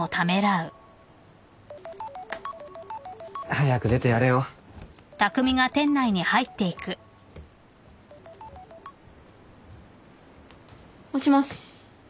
早く出てやれよ。もしもし。